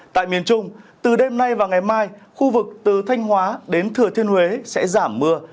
tại miền trung từ đêm nay và ngày mai khu vực từ thanh hóa đến thừa thiên huế sẽ giảm mưa